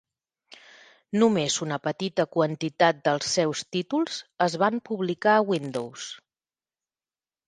Només una petita quantitat dels seus títols es van publicar a Windows.